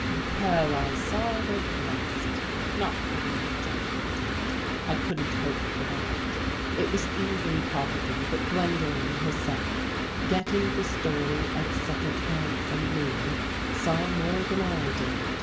Well, I saw it at last. Not the way Jeffrey did. I couldn't hope for that. It was even probable that Gwendolen herself, getting the story at second hand from me, saw more than I did.